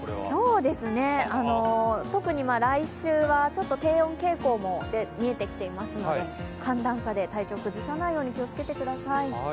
特に来週は低温傾向も見えてきていますので寒暖差で体調を崩さないように気をつけてください。